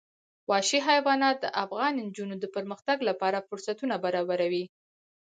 وحشي حیوانات د افغان نجونو د پرمختګ لپاره فرصتونه برابروي.